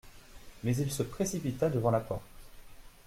Mais il se précipita devant la porte.